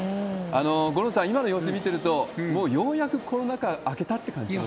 五郎さん、今の様子見てると、もうようやくコロナ禍明けたって感じしますね。